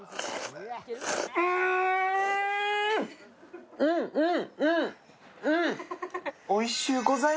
うんうん、うん！